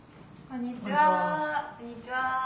こんにちは。